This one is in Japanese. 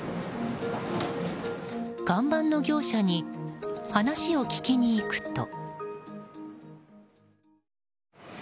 看板の業者に話を聞きに行くと。